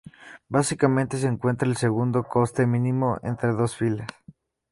Básicamente se encuentra el segundo coste mínimo entre dos filas.